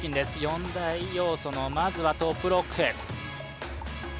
４大要素のまずはトップロック。